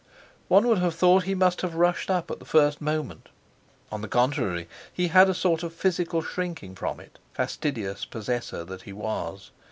One would have thought he must have rushed up at the first moment. On the contrary, he had a sort of physical shrinking from it—fastidious possessor that he was.